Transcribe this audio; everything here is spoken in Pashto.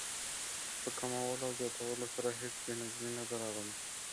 په کمولو او زیاتولو سره هېڅ بې نظمي نه ده راغلې.